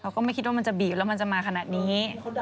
ก็ไม่คิดว่ามันจะบีบแล้วมันจะมาขนาดนี้